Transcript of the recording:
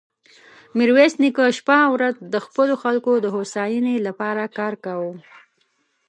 ميرويس نيکه شپه او ورځ د خپلو خلکو د هوساينې له پاره کار کاوه.